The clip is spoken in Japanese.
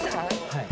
はい。